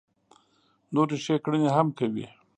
نورې ښې کړنې هم کوي.